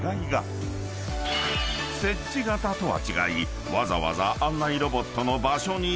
［設置型とは違いわざわざ案内ロボットの］